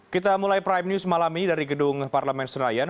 kita mulai prime news malam ini dari gedung parlemen senayan